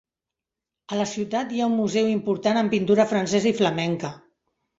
A la ciutat hi ha un museu important en pintura francesa i flamenca.